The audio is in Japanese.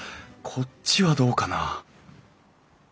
こっちはどうかな？